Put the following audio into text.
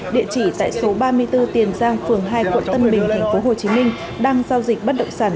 địa chỉ tại số ba mươi bốn tiền giang phường hai quận tân bình tp hồ chí minh đang giao dịch bất động sản